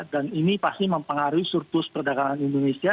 dan ini pasti mempengaruhi surplus perdagangan indonesia